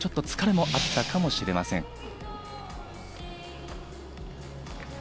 疲れもあったかもしれません。